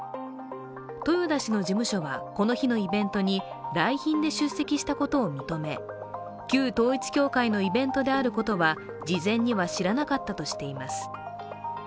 豊田氏の事務所はこの日のイベントに来賓で出席したことを認め旧統一教会のイベントであることは事前には知らなかったとしています。